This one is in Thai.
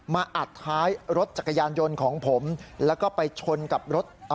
อัดท้ายรถจักรยานยนต์ของผมแล้วก็ไปชนกับรถ